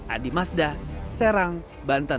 adi mazda serang banten